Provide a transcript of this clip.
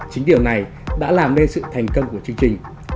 chính điều này đã làm nên sự thành công của chương trình